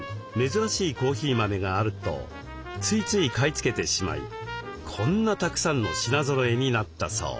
珍しいコーヒー豆があるとついつい買い付けてしまいこんなたくさんの品ぞろえになったそう。